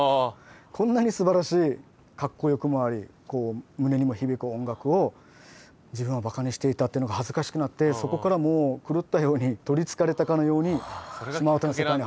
こんなにすばらしいかっこよくもあり胸にも響く音楽を自分はバカにしていたというのが恥ずかしくなってそこからもう狂ったように取りつかれたかのようにシマ唄の世界に入りました。